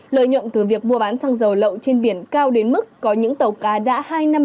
lợi nhuận từ việc mua bán xăng dầu lậu trên biển cao đến mức có những tàu cá đã hai năm